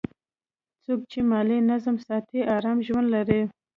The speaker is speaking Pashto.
څوک چې مالي نظم ساتي، آرام ژوند لري.